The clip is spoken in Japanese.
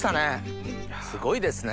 すごいですね。